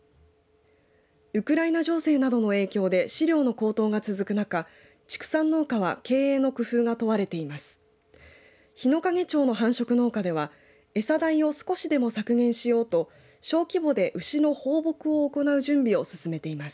ウクライナ情勢などの影響で飼料の高騰が続く中畜産農家は経営の工夫が問われています。